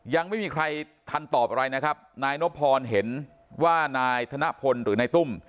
ยังไม่มีใครทันตอบอะไรนะครับนายนพรเห็นว่านายธนพลหรือนายตุ้ม